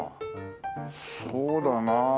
そうだなあ。